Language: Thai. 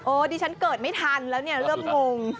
โอ๊ยฉันเกิดไม่ทันแล้วเลือกงง